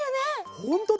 ほんとだ！